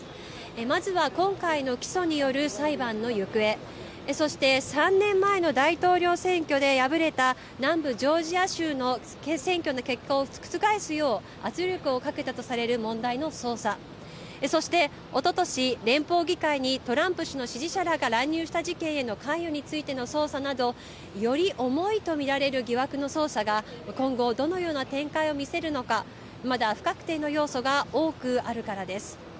まずは今回の起訴による裁判の行方、そして３年前の大統領選挙で敗れた、南部ジョージア州の選挙の結果を覆すよう圧力をかけたとされる問題の捜査、そしておととし、連邦議会にトランプ氏の支持者らが乱入した事件への関与についての捜査など、より重いと見られる疑惑の捜査が、今後、どのような展開を見せるのか、まだ不確定の要素が多くあるからです。